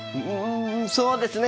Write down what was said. そうですね。